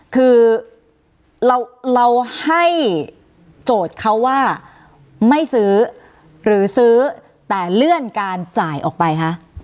คือเราให้โจทย์เขาว่าไม่ซื้อหรือซื้อแต่เลื่อนการจ่ายออกไปคะ